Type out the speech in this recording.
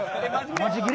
マジ切れ。